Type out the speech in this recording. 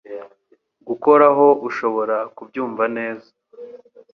Gukoraho ushobora kubyumva neza